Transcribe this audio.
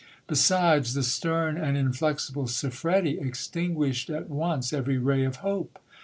Besides, the stern and inflexible Siffredi extinguished at once ever)' ray of hope.